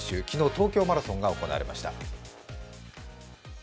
昨日東京マラソンが行われました。